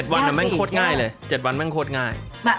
๗วันอ่ะมันค่อนข้องอย่างเลย๗วันแมางโคตรง่าย